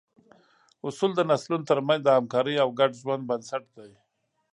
اصول د نسلونو تر منځ د همکارۍ او ګډ ژوند بنسټ دي.